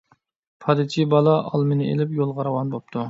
پادىچى بالا ئالمىنى ئېلىپ، يولىغا راۋان بوپتۇ.